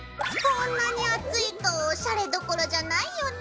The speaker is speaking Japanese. こんなに暑いとおしゃれどころじゃないよねぇ。